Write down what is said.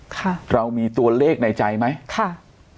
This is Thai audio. ค่ะเรามีตัวเลขในใจไหมค่ะ